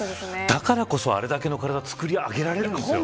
だからこそ、あれだけの体作り上げられるんですよ。